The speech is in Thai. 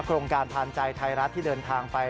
โครงการทานใจไทยรัฐที่เดินทางไป